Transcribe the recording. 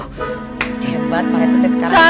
hebat pak rete sekarang